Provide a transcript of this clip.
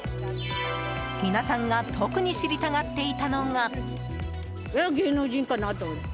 皆さんが特に知りたがっていたのが。